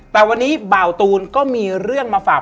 แต่วันนี้เบาตูนก็มีเรื่องมาฝาก